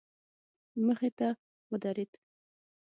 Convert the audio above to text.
مخې ته يې ودرېد.